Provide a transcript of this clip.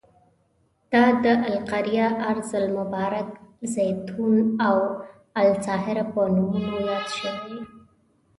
دا د القریه، ارض المبارک، الزیتون او الساهره په نومونو یاد شوی.